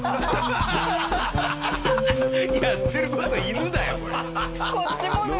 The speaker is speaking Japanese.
やってる事犬だよこれ。